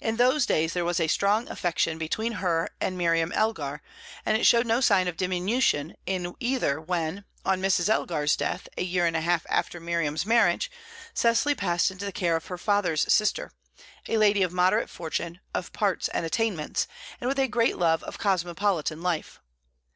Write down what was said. In those days there was a strong affection between her and Miriam Elgar, and it showed no sign of diminution in either when, on Mrs. Elgar's death, a year and a half after Miriam's marriage, Cecily passed into the care of her father's sister, a lady of moderate fortune, of parts and attainments, and with a great love of cosmopolitan life.